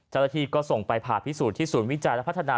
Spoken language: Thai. จรฐีก็ส่งไปผ่าพิสูจน์ที่ศูนย์วิจัยและพัฒนา